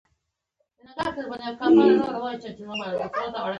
مينې په حيرانتيا سره هغوی ته وکتل او سترګې يې ورپولې